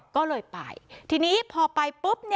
ก็เลยไปทีนี้พอไปปุ๊บ